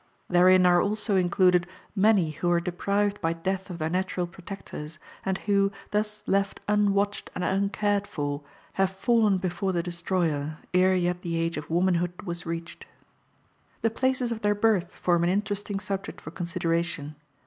Therein are also included many who were deprived by death of their natural protectors, and who, thus left unwatched and uncared for, have fallen before the destroyer ere yet the age of womanhood was reached. The places of their birth form an interesting subject for consideration.